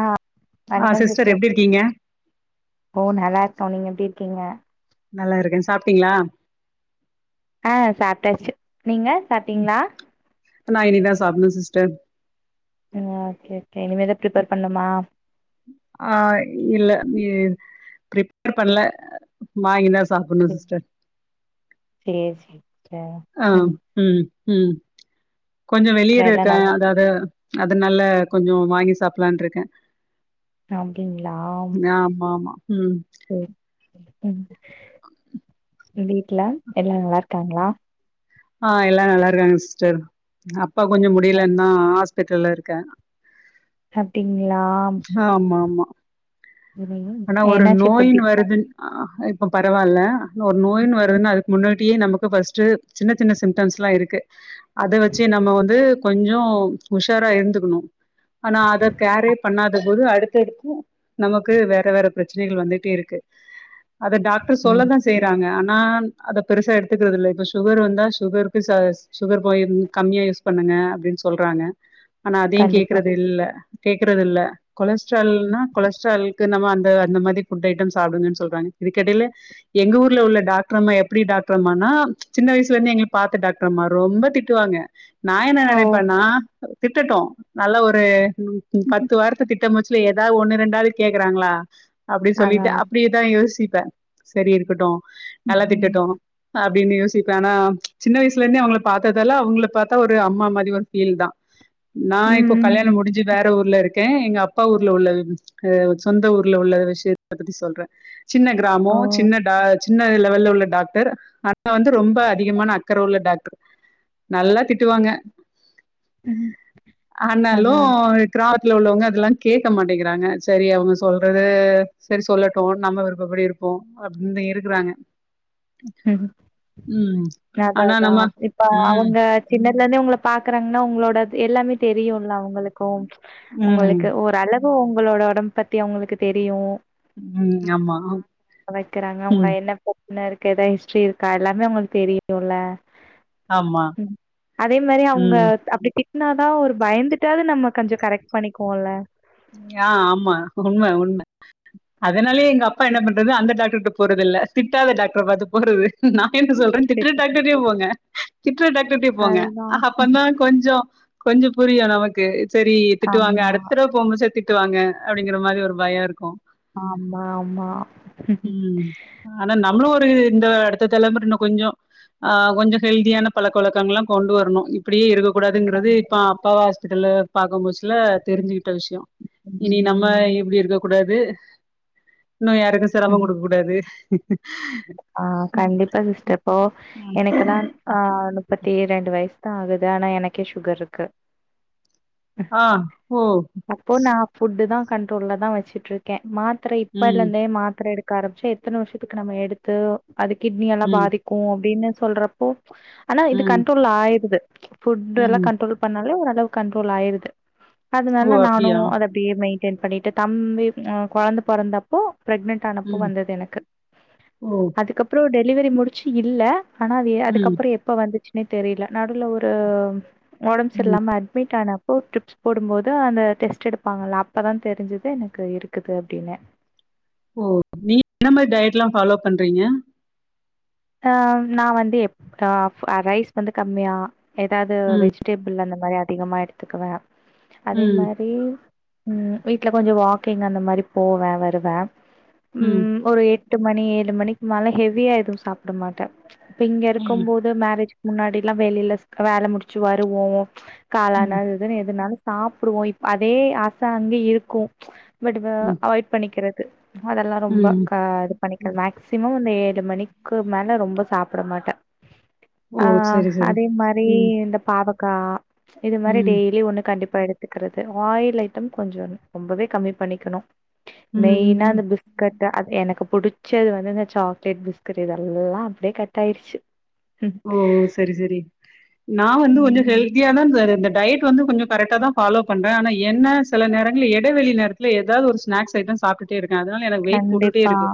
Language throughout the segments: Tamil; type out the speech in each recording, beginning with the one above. ஆஹ் ஆஹ் சிஸ்டர் எப்படி இருக்கீங்க தோ நீங்க எப்படி இருக்கீங்க நல்லா இருக்க சாப்பிட்டீங்ளா ஆஹ் சாப்பிட்டாச்சு நா இனிதா சாப்பிடணு சிஸ்டர் ஆஹ ஓகே ஓகே இனிமேதா பிரிப்பேர் பண்னுமா ஆஹ் இல்ல பிரிப்பேர் பண்ணல வாங்கிதான் சேரி சேரி சிஸ்டர் ஆஹ் ம் உம் உம் கொஞ்சோ அப்றோ வெளிய எல்லா இருக்க நல்லா அதாவது அதுனால கொஞ்சம் வாங்கி சாப்பலான் இருக்கே அப்டிங்களா ஆமா ஆமா உம் உம் அ [inaudible] வீட்டுல எல்லா நல்லா இருக்காங்களா ஆஹ் எல்லா நல்லா இருக்காங்க சிஸ்டர் அப்பா கொஞ்சம் முடியலன்தா ஆஸ் பிட்டல்ல இருக்கே அப்டிங்களா ஆமா ஆமா ம் ஆனா ஒரு என்னாச்சு இப்ப இப்டி நோயின்னு வருதுன் பரவால்ல ஒரு நோயின் வருதுன்னா அதுக்கு முன்னாடியே நமக்கு ஃபர்ஸ்ட்டு சின்ன சின்ன சிம்டம்ஸ்ல்லா இருக்கு அத வச்சு நம்ம வந்து கொஞ்சம் உஷாரா இருந்துக்கணு ஆனா அத கேரே பண்ணாத போது அடு எடுத்து நமக்கு வேற வேற பிரச்சனைகள் வந்துட்டே இருக்கு அத டாக்டர் ம் சொல்ல தா செய்யறாங்க ஆனா அத பெருசா எடுத்துக்கறதில்ல இப்ப சுகர் வந்தா சுகருக்கு ச சுகர் போய் கம்மியா யூஸ் பண்ணுங்க அப்டின்னு சொல்றாங்க ஆனா அதையும் கண்டிப்பா கேக்குறது இல்ல கேக்குறது இல்ல ம் கொலஸ்ட்ரால்னா கொலஸ்ட்ல்குக்கு நம்மந் த அந்த மாரி ஃபுட் ஐட்டம் சாப்டுங்கனு சொல்றாங்க இதுக்கெடைல எங்க ஊர்ல உள்ள டாக்டர்ம்மா எப்டி டாக்டர் அம்மா னா சின்ன வயசிலேந்தே எங்கள பாத்த டாக்டர் அம்மா ரொம்ப திட்டுவாங்க. நா என்ன ஓ நெனைப்பேன்னா திட்டட்டும் நல்லா ஒரு பத்து வார்த்த திட்ட மூச்சுல ஏதாவது ஒன்னு ரெண்டாவது கேக்குறாங்களா அப்படி அதா சொல்லிட்டு அப்டியேதா யோசி ப்ப சரி இருக்கட்டு நல்லா ம் திட்டட்டு அ அப்டினு யோசி சிப்ப ஆனா சின்ன வயசுலேந்தே அவங்க பாத்ததால அவங்கள பாத்தா ஒரு அம்மா மாரி ஒரு ஃபீல் தா நா இப்போ ம் கல்யாணம் முடிஞ்சி வேற ஊர்ல இருக் க்கே எங்க அப்பா ஊர்ல உள்ள க்கு சொந்த ஊர்ல உள்ள விஷயத்த பத்தி சொல்றே சின்ன கிராமோ ஓ சின்ன டா சின்ன இதுல மொதல்ல உள்ள டாக்டர் அத வந்து ரொம்ப அதிகமான அக்கற உள்ள டாக்டர் நல்லா திட்டுவாங்க ம் அதா ஆனாலும் க்ரா ல உள்ளவங்க அதெல்லா கேட்க மாட்டேங்கிறாங்க சரி அவங்க சொல்றது சரி சொல்லட்டும் நம்ம விருப்பப்படி இருப்போ அப்டினு இருக்றாங்க ம் அதா ஆனா அதா நம்ம இப்ப ம் அவங்க சின்ன எல்லாமே உங்கள பாக்கறாங்ன்னா உங்களோடத் எல்லாமே தெரியுல்ல அவங்களுக்கு ம் உங்களுக்கு ஓரள வு உங்களோட ஒடம்ப் பத்தி அவங்களுக்கு தெரியு உம் ஆமா உம் னருக் கு எதா ஹிஸ்ட்ரி இருக்கா எல்லாமே அவங்கள்க் தெரியுல்ல ஆமா ம் அதே மாரி அவுங்க ம் அப்டி திட் ன்னதா ஒரு பயந்துட்டாவ்து நம்ம கொஞ்சோ கரெக்ட் பண்ணிக்வோல்ல ஆ ஆமா உண்ம உண்ம அதனாலயே எங்க அப்பா என்ன பண்றது அந்த டாக்டர்ட்ட போறதில்ல திட்டாத டாக்டர பாத்து போறது நா கேட்டு சொல்றே திட்ற டாக்டர்டயே போங்க திட்ற டாக்டர்டயே போங்க அதுதான். அப்பந்தா கொஞ்சோ கொஞ்சோ புரியு நமக்கு செரி திட்டுவாங்க ஆமா, அடுத்தடவ ஞ்சோ திட்டுவாங்க அப்டிங்கற மாரி ஒரு பயோ இருக்கு ஆமா ஆமா ம் ஆனா [unintelligible] இந்த அடுத்த தலமுற இன்னு கொஞ்சோ அஹ் கொஞ்சோ ஹெல்தியான பழக்க வழக்கங்ல்லா கொண்டு வரணு இப்டியே இருக்க கூடாதுங்கறது இப்ப கண்டிப்பா. அப்பாவா ஹாஸ்பிட்டல்ல பாக்கும் புசுல தெரிஞ் தெல்ஞ் இனி நம்ம இப்படி இருக்க கூடாது இன்னும் யாருக்கும் சிரமம் கொடுக்க கூடாது ஆஹ் கண்டிப்பா சிஸ்டர் இப்போ எனக்கெல்லா ஆஹ் முப்பத்தி இரண்டு வயசு தா ஆகுது ஆனா எனக்கே சுகர் இருக்கு ஆஹ் ஓ கண்ட்ரோல தா வச்சுட்டு இருக்கே மா த்திரை இப்பல்ல ம், இருந்தே மாத்திரை எடு க்க ஆரம்பச்சா எத்தன வருஷத்துக்கு நம்ம எடு து அது கிட்னி எல்லா ம், பாதிக்கு அப்படின்னு சொல்றப்போ ஆனா இது ம், கண்ரோல் ஆயுடுது ஃபுட் எல்லாம் ம். கண்ரோல் பண்ணாலே ஓரளவு கண்ரோல் ஆயிரது ஓ! அதனால அப்டியா? நானும் அத அப்படியே மெயின் பண்ணிட்டு தம்பி குழந்த பிறந்தப்போ பிரெக்னன்ட் ஆனப்போ ம். வந்தது எனக்கு ஓ! அதுக்கப்பறம் டெலிவரி முடிச்சு இல்ல ஆனா அ ம், அதுக்கப்புறம் எப்ப வந்துச்சு தெரியல நடுல ஒரு உடம்பு சரி ம். இல்லாம அட்மிட் ஆனப்போ டிரிப்ஸ் போடும்போது அந்த டெஸ்ட் எடுப்பாங்கல்ல அப்பதா தெரிஞ்சது எனக்கு இருக்குது அப்படின்னு ஓ நீங்க என்ன மாதிரி டயட் எல்லாம் ஃபாலோ பண்றீங்க ஆஹ் நா வந்து எப் ரைஸ் வந்து கம்மியா ஏதாது வெஜிடேபிள் அந்த மாதிரி அதிகமா எடுத்துக்குவ அதே ம், மாதிரி உம் வீட்டுல கொஞ்சம் வாக்கிங் அந்த மாதிரி போவ வருவ ம், உம் ஒரு எட் எட்டு மணி ஏழு மணிக்கு மேல ஹெவிய எதுவு சாப்பிட் மாட்ட இப்ப இங்க இருக்கும் ம், போது மேரேஜ் முன்னாடி எல்லாம் வெளியில வேல முடிச்சு வருவோம் காளான் ம், அது இதுன்னு எதுனாலு சாப்டுவோ இப்ப அதே ஆச அங்க இருக்கு பட்டு வு ம், அவாய்ட் பண்ணிக்கிற [unintelligible] அதெல்லா ரொம்ப ம், கா இது பண்ணிக்க ம். மேக்சிமம் ஏழு மணிக் க்கு மேல ரொம்ப சாப்பிட மாட்டேன் ஓ! ஆஹ் சரி, சரி. அதே மாரி ம், இந்த பாவ க்கா இது மாரி ம், டெயிலி ஒன்னு கண்டிப் இப்ப எடுத்துக்கிறது ஆயில் ஐட்டம் கொஞ்சோ ரொம்பவே கம்மி பண்ணிக்கணும். மெயினா ம். அந்த பிஸ்கட் து அது எனக்கு புடிச்சது வந்து அந்த சாக்லேட் பிஸ் கீறியதுதெல்லா அப்படியே கட் ஆயிடுச்சு ஓ செரி செரி நான் வந்து கொஞ்சோ ம் ஹெல்த்தியா தான் சார் இருந்தே டயட் வந்து கொஞ்சோ கரெக்ட்டா தான் ஃபாலோ பண்ரேன் ஆனா என்ன சில நேரங்களில இடைவெளி நேரத்தில ஏதாவது ஒரு ஸ்னாக்ஸ் ஐடம் சாப்பிட்டே இருக்கு அதனால எனக்கு வெயிட் போட்டுட்டே கண்டிப்பா இருக்கு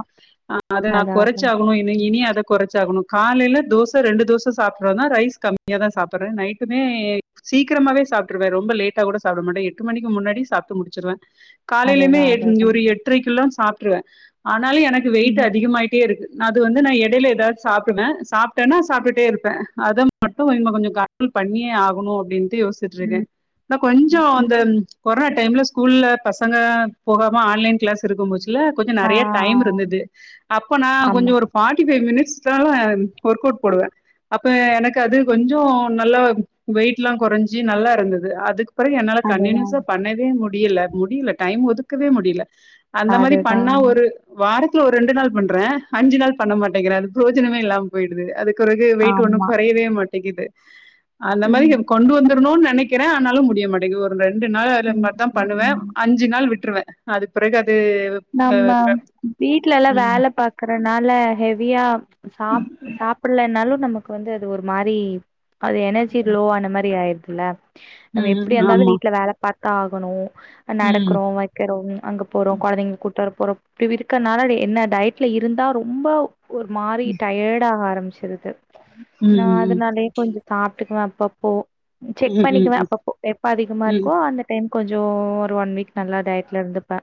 அதநான் அதா அதா கொறைச்சாகணும் இம் இனியும் அத குறைச்சாகணும் காலையில தோஸ் ச ரெண்டு தோச சாப்டுவேங்க ரைஸ் கம்மியா தா சாப்பறே நைட்டுமே சீக்கிரமாவே சாப்ட்ருடுவே ரொம்ப லேட்டா கூட சாப்பிட மாட்டே எட்டு மணிக்கு முன்னாடியே சாப்ட்டு முடிச்சுடுவே காலையிலயுமே அதுதா அதுதா ஒரு எட்ரைக்குலா சாப் ட்ருவே ஆன் னாலு எனக்கு வெயிட் ம் அதிகமாயிட்டே இருக்கு. அது வந்து நா எடையில ஏதாவது சாப்பிடுவே சாப் டனா சாப்டுட்டே இருப்பே அத மட்டும் இன்னு கொஞ்சம் கம்மி பண்ணியே ஆகணு அப்டின் யோசிட்டு இருக்கே ம் ஆனா கொஞ்சோ ம் அந்த கொரோனா டைம்ல ஸ்கூல்ல பசங்க போகாம ஆன்லைன் கிளாஸ் இருக்கும் போச்சு ல கொஞ்ச ஆ நெறைய டைம் இருந்தது அப்போ நா கொஞ்ச ஆமா ஒரு forty five minutes [unintelligible] work out போடுவே அப்போ எனக்கு அது கொஞ்சோ நல்லா வெயிட்லா கொறஞ்சி நல்லா இருந்தது அது அப்புறோ என்னால அதுதா கண்டினியூஸா பண்ணவே முடியல முடியல டைம் ஒதுக்கவே முடியல அந்த மாரி அதுதா பண்ணா ஒரு வாரத் குல ஒரு ரெண்டு நாள் பண்றே அஞ்சு நாள் பண்ண மாட்டேங்கிறே. அது பிரோஜனமே இல்லாம போயிடுது அதுக் பிறகு வெயிட் ஒண்ணு ஆமா குறையவே மாட் க்கிது அந்த மாரி கொண்டு வந்துர்ணோன் நெ னிக்கிறே ஆனாலு முடியமாட்டேங்குது ஒரு ரெண் ண்டு நாள் அது மாரி தா பண்ணுவே அஞ்சு நாள் விட்டு ருவே அது பிறகு அ நம்ம வீட்ல எல்லா ம். வேல பாக்கறனால ஹெவியா சாப் சாப்பில்லேனா னாலு நமக்கு வந்து அது ஒரு மாரி அது எனர்ஜி ம். லோ ஆன மாரி ஆயிரு [unintelligible] நம்ம ம். எப்டியா இந்தாலு ஆமா. வீட்ல வேல பாத் ஆகணு ம். நடக்குறோ வைக்கிறோ அங்க போறோ கொழந்தைங்களுக் கூப்டு வரபோறோ இப்டி இருக்கனால என்ன டயட்ல இருந்தா ரொம்போ ஒரு மாறி டயடாக ஆரம்ச் [unintelligible] நா ம். அதனாலே கொஞ்சோ காப் த்துகுவே அப்பப்போ செக் ம். ம். பண்ணிக்குவே ம். அப்பப்போ எப்ப அதிகமா ம். இருக்கோ அந்த டைம் கொஞ்சோ ஒரு ஒன் வீக் நல்லா டயட்லருந்துப்பே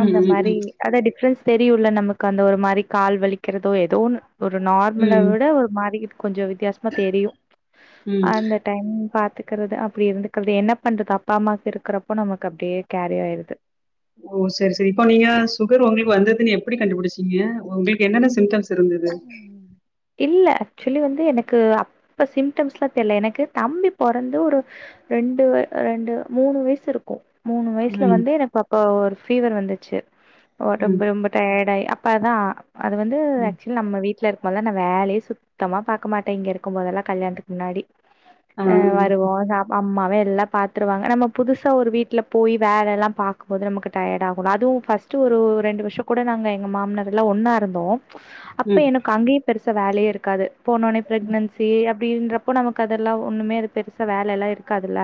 ம். அந்த ம். மாறி அத டிப்ரெஸ் தெரியுல நமக்கு அந்த ஒரு மாறி கால் வலிக்கிறதோ எதோ ஒன்னு ஒரு ம். நார்மல ம். விட ஒரு மாறியிருக் கொஞ்சோ வித்தியாசமா தெரியு ம். அந்த டைம் பா துக்றது அப்டி இருந்துக்றது என்ன பண்றது அப்பா அம்மாக் இருக்றப்போ நமக்கு அப்டியே கேரி ஆயிருது ஓ செரி செரி இப்போ நீங்க சுகர் உங்களுக்கு வந்ததுனு எப்டி கண்டுபுடிச்சீங்க உங்களுக்கு என்னென்ன சிம்டம்ஸ் அ இல்ல ஆக்சுவலி வந்து எனக்கு அப்ப சிம்டம்ஸ்லா தெர்ல எனக்கு தம்பி பொறந்து ஒரு ரெண்டு வர் ரெண்டு மூணு வய்சு இருக்கூ மூணு வயசுல ம். வந்து எனக் அப்ப ஒரு ஃபீவர் வந்துச்சு ம். ஒடம்பு ரொம்ப டயடாயி அ பதா அது வந்து ம். ஆக் நம்ம வீட்ல இருக்கும் போதுலா நா வேலயே சுத்தமா பாக்க மாட்டே இங்க இருக்கும் போதெல்லா கல்யாணத்துக்கு முன்னாடி ஆ. அஹ் வருவோ சாப் அம்மாவே நல்லா பாத்ருவாங்க நம்ம புதுசா ஒரு வீட்ல போய் வேலல்லா பாக்கும்போது நமக்கு டயடாகுல அதுவு ஃபஸ்ட்டு ஒரு ரெண்டு வர்ஷோ கூட நாங்க எங்க மாம்னார்ல்லா ஒன்னா இருந்தோ அப்ப ம். எனக்கு அங்கயே பெருஸ் ச வேலயே இருக்காது போனோனே பிரெக்னன்சி அ அப்டின்றப்போ நமக்கு அதெல்லா ஒன்னுமே அது பெருசா வேலல்லா இருக்காதுல்ல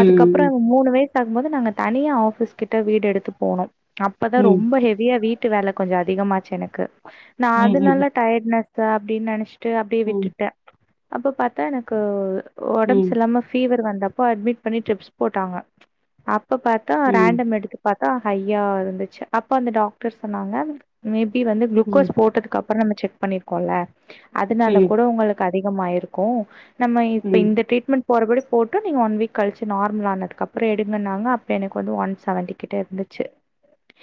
அதுக்கப்றோ அவ மூணு வெய்சு சு ஆகும்போது நாங்க தனியா ஆஃபிஸ்கிட்ட வீடு எடுத்து போனோ அப்பதா ம். ரொம்ப ஹெவியா வீட் வீட்டு வேல கொஞ்சோ அதிகமாச்சு எனக்கு நா ம். அது ம். நல்ல டயடுனஸ் அப்டின்னு நெனச் ட்டு அப்டியே ம். விட்டுட்ட அப்ப பாத்தா எனக்கு ஒடம்பு ம். செர்ல்லாம ஃபீவர் வந் அப்போ அட்மிட் பண்ணி டரிப்ஸ் போட்டாங்க அப் இப்போ பாத்தா ம். ம். ரேண்டம் எடுத்து பாத் த்தா ஹையா இருந்துச்சு அப்ப அந்த டாக்டர் சொன்னாங்க மே பி வந்து ம். குளுக்கோஸ் அதுக்கப்றம் நம்ம செக் பண்ணிருக்கோம்ல அதுனால ம். ம். கூட உங்களுக்கு அத் அதிகமாயிருக்கும் நம்ம இப்ப ம். இந்த ட்ரீட்மெண்ட் போறபடி போட்டும் நீங்க ஒன் வீக் கழிச்சு நார்மலானதுக்கு அப்றம் எடுங்கன்னாங்க அப்ப எனக்கு வந்து ஒன் செவன்ட்டி கிட்ட இருந்துச்சு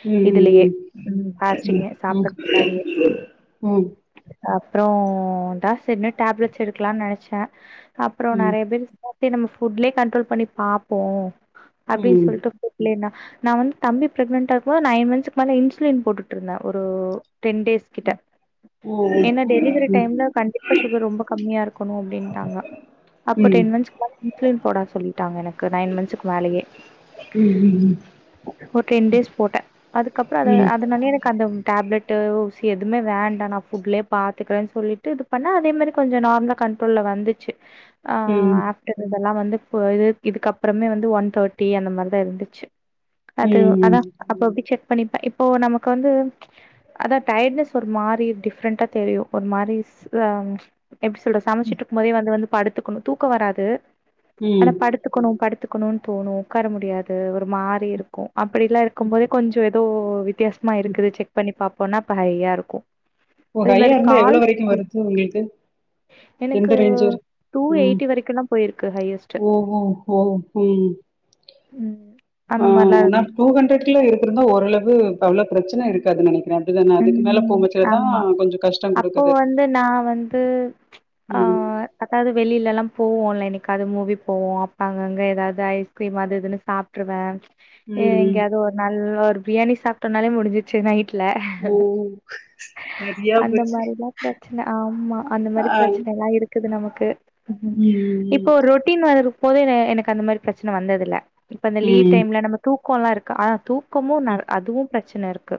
உம் உம் இதுலயே ம் உம் ஃபாஸ்டிங்கு உம் சாப்பட்றதுக்கு ம் உம் அப்றோம் டாஸ் என்ன டேப்லெட்ஸ் எடுக்கலான்னு நெனைச்சேன் அப்றோ ம் நறைய பேர் [inaudible] சேரி நம்ம ஃபுட்லயே கண்ட்ரோல் பண்ணி பாப்போ அப்டின்னு ம் சொல்லிட்டு ஃபுட்லே நா நான் வந்து தம்பி பிரக்னென்டா இருக்கும்போது நைன் மந்த்க்கு மேல இன்சுலின் போட்டுட்ருந்தேன் ஒரு டென் டேஸ் ஸ்கிட்ட ஓ ஏன்னா டெலிவரி ம் டைம்ல கண்டிப்பா சுகர் ரொம்ப கம்மியா இருக்கணும் அப்டின்டாங்க ம் அப்ப ம் டென் மந்த்ஸ் ஃபுல்லா இன்சுலின் போட சொல்லிட்டாங்க எனக்கு நைன் மந்ஸ்க்கு மேலயே ம் ம் ஒரு டென் டேஸ் போட்டே அதுக்கப்றம் அத அதனாலயே அந்தம் டேப்லட்டு எதுமே வேண்டாம் நான் புட்லயே பாத்துக்கறேன்னு சொல்லிட்டு இது பண்ணே அதே மாரி கொஞ்சம் நார்மலா கண்ட்ரோல்ல வந்துச்சு ஆஹ்ன் ம் ஆஃப்டர் இதெல்லாம் வந்து இப்போ இது இதுக்கப்றமே வந்து ஒன் தேர்ட்டி அந்த மாரிதான் இருந்துச்சு அது ம் ம் அதான் அப்ப போயி செக் பண்ணிப்பே இப்போ நமக்கு வந்து அத டயட்னஸ் ஒரு மாரி டிஃப்ரெண்ட்டா தெரியும் ஒரு மாரி ஸ் அ ம் எப்படி சொல்றது சமைச்சிட்ருக்கும் போதே வந்து வந்து படுத்துக்கணும் தூக்கம் வராது ஆனா ம் படுத்துக்கணும் படுத் தூக்கணுன் தோணும் உட்கார முடியாது ஒரு மாறி இருக்கும் அப்படில்லாம் இருக்கும் போதே கொஞ்சோ சோ வித் வித்தியாசமா இருக்குது செக் பண்ணி பாப் பொனப் ஹைய்யா ருக்கு ஓ ஹையா இருந்தா எவ்வள வரைக்கு வருது உங்களுக்கு எனக்கு எந்த ரேஞ்சர் டூ ம் எயிட்டி வரைக்குலா போயிருக்கு ஹையஸ்ட் ஓ ஓ ஓ ம் ம் ஆ அந்த மாரிலா நா இருந்து டூ ஹண்ட்ரட் கிலோ இரு இருந்தா ஓரளவு அளவு உள்ள பிரச்சன இருக்காது நெனைக் ம் ஆமா கொஞ்சோ கஷ்டோ அப்போ குடுக்குது வந்து நா வந்து ஆ ம் அத்தாது வெளிலல்லாம் போவோன்ல என்னிக்காது மூவி போவோ அப்பங்கங்க ஏதாது ஐஸ்கிரீம் அது இதுன்னு சாப்டுருவே ஏ ம் இங்க ம் அது ஒரு நல்ல பிரியாணி சாப்ட்டனாலே முடிஞ்சிரிச்சு நைட்ல ஹ ஹ ஓ சரியா அந்த போச்சு மாரிலா பிரச்சன ஆமா அந்த ஆ மாரி பிரச்சனல்லா இருக்குது நமக் கே ம் இப்போ ஒரு ரொட்டின் வரரு பொதுனே எனக்கு அந்த மாரி பிரச்சன வந்தது இல்ல இப்ப அந்த லீவ் ம் டைம்ல நம து க்கோலா இருக்கா ஆ தூ கொமு ம் நல் அதுவு பிரச்சன இருக்கு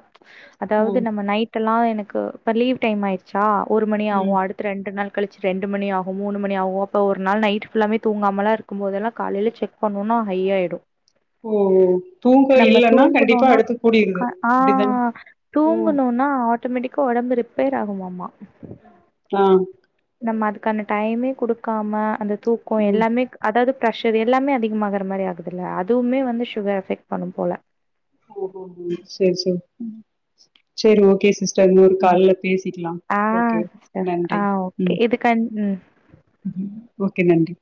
ஓ அதாவது நம்ம நைட் எல்லா எனக்கு இப்ப லீவ் டைம் ஆயிருச்சா ஒரு மணி ம் ஆகு அடுத்த ரெண்டு நாள் கழிச்சு ரெண்டுணியாகு மூணுமணியாகு அப்போ ஒரு நாள் நைட் ஃபுல்லாமே தூங்காமல்லா இருக்கும்போதெல்லா காலைல செக் பண்ணுனா ஹைய்யாய்டு ஓ தூக்கோ இல்லன்னா கண்டிப்பா தூங்குனோனா அடுத்து கூடிடுது அப்டிதான ஓ தூங்குணோனா ஆட்டோமேட்டிக்கா ஒடம்பு ரிப்பேர் ஆகுமாமா க்லா நம்ம அதுக்கான டைமே குடுக்காம அந்த தூக்கோ ம் எல்லாமே அதாது ப்ரஷர் எல்லாமே அதிகமாகிற மாரி ஆகுதில்ல அதுவுமே வந்து சுகர் எஃபெக்ட் பண்ணும் போல ஓ சேரி சேரி ம், சேரி ஓகே சிஸ் சார் இன்னொரு ம். கால்ல பேசிகிட் ஆ சிஸ்டர் ஆ ஓகே ம் இது கண் ம் ஓகே நன்றி